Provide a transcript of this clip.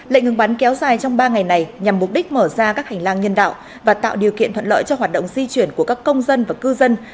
lệnh ngừng bắn kéo dài trong ba ngày này nhằm mục đích mở ra các hành lang nhân đạo và tạo điều kiện thuận lợi cho hoạt động di chuyển của các công dân và cư dân